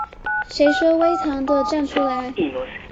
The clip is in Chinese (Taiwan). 誰說微糖的站出來